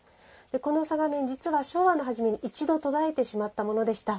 この嵯峨面、実は昭和の初めに一度途絶えてしまったものでした。